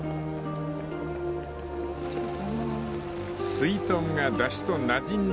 ［すいとんがだしとなじんだら完成］